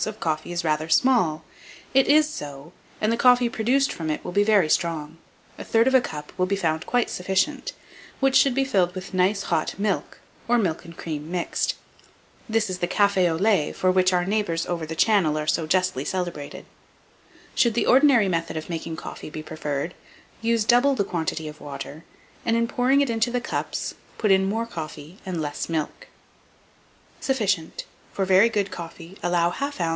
of coffee is rather small; it is so, and the coffee produced from it will be very strong; 1/3 of a cup will be found quite sufficient, which should be filled with nice hot milk, or milk and cream mixed. This is the 'cafe au lait' for which our neighbours over the Channel are so justly celebrated. Should the ordinary method of making coffee be preferred, use double the quantity of water, and, in pouring it into the cups, put in more coffee and less milk. [Illustration: LOYSEL'S HYDROSTATIC URN.] Sufficient. For very good coffee, allow 1/2 oz.